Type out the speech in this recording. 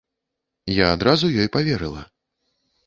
Я адразу ёй паверыла.